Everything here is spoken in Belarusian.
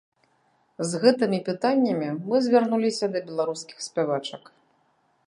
З гэтымі пытаннямі мы звярнуліся да беларускіх спявачак.